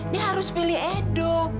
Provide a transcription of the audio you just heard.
dia harus pilih edo